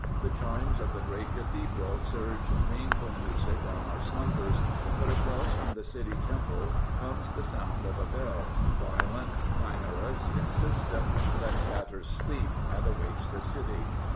The chimes of the great cathedral surge dreamful music on our slumbers ; but across from the City Temple comes the sound of a beU, violent, clangorous, insistent, that shatters sleep, and awakes the City.